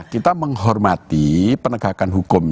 kita menghormati penegakan hukum